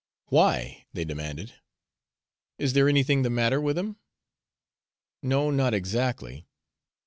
"Why?" they demanded. "Is there anything the matter with him?" "No, not exactly.